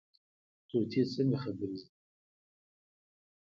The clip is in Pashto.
طوطي څنګه خبرې زده کوي؟